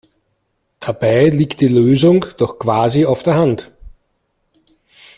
Dabei liegt die Lösung doch quasi auf der Hand!